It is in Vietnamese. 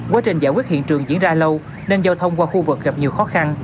quá trình giải quyết hiện trường diễn ra lâu nên giao thông qua khu vực gặp nhiều khó khăn